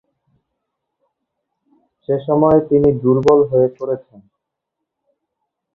সে সময়ে তিনি দুর্বল হয়ে পড়েছেন।